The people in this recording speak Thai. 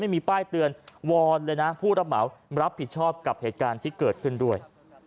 ไม่มีป้ายเตือนวอนเลยนะผู้รับเหมารับผิดชอบกับเหตุการณ์ที่เกิดขึ้นด้วย